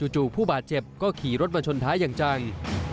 จู่ผู้บาดเจ็บก็ขี่รถมาชนท้ายอย่างจัง